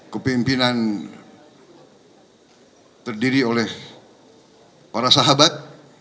kepimpinan terdiri oleh para sahabat